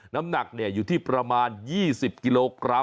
น้ำหนักอยู่ที่ประมาณ๒๐กิโลกรัม